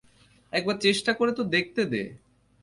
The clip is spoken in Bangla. একবার চেষ্টা করে তো দেখতে দে?